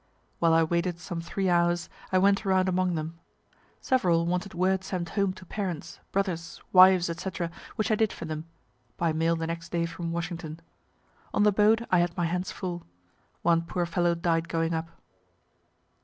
While I waited some three hours, I went around among them. Several wanted word sent home to parents, brothers, wives, &c., which I did for them, (by mail the next day from Washington.) On the boat I had my hands full. One poor fellow died going up.